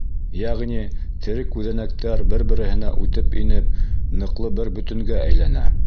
Йәғни тере күҙәнәктәр бер-береһенә үтеп инеп, ныҡлы бер бөтөнгә әйләнә.